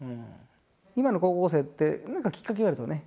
今の高校生って何かきっかけがあるとね。